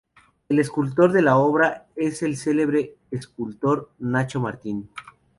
El escultor de la obra es el celebre escultor Nacho Martin.